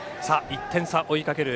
１点差、追いかける